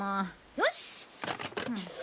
よし！